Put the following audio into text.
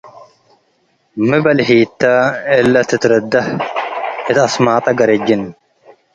ሚ በልሂት ተ እለ ትትረደህ እት አስማጠ ገረጅን